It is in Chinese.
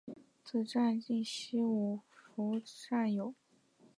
此站近西武秩父站有。